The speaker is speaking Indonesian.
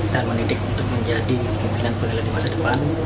dan mendidik untuk menjadi pimpinan peneliti masa depan